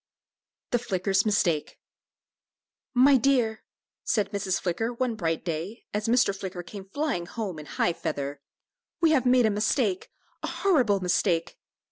THE FLICKER'S MISTAKE. "My dear," said Mrs. Flicker, one bright day, as Mr. Flicker came flying home in high feather, "we have made a mistake a horrible mistake."